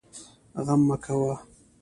غم مه کوئ